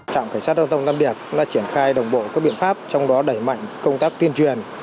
trạm cảnh sát giao thông nam điệp đã triển khai đồng bộ các biện pháp trong đó đẩy mạnh công tác tuyên truyền